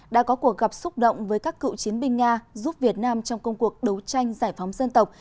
đã có cuộc gặp xúc động với các cựu chiến binh nga giúp việt nam trong công cuộc đấu tranh giải phóng dân tộc